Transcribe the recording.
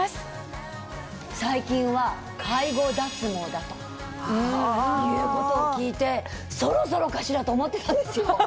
だということを聞いてそろそろかしらと思ってたんですよ。